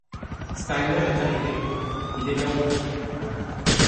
Steiner est arrivé, il est là-haut.